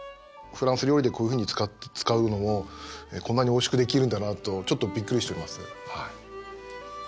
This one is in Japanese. フランス料理でこういうふうに使うのもこんなにおいしくできるんだなとちょっとビックリしております。